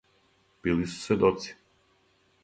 Били су сведоци.